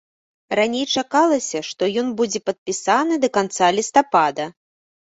Раней чакалася, што ён будзе падпісаны да канца лістапада.